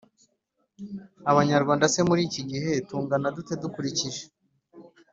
abanyarwanda se muri iki gihe tungana dute? dukurikije